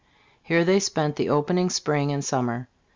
Here they spent the opening spring and sum mer.